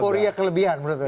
euforia kelebihan menurut anda